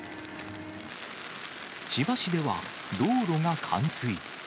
千葉市では道路が冠水。